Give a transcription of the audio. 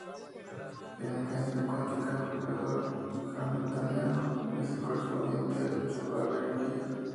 En mecánica cuántica, el operador Hamiltoniano es el correspondiente al observable "energía".